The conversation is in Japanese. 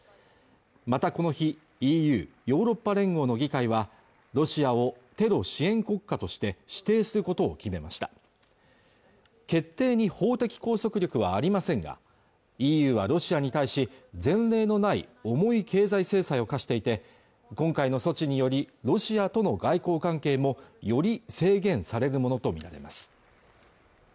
またこの日ＥＵ＝ヨーロッパ連合の議会はロシアをテロ支援国家として指定することを決めました決定に法的拘束力はありませんがＥＵはロシアに対し前例のない重い経済制裁を科していて今回の措置によりロシアとの外交関係もより制限されるものと見られます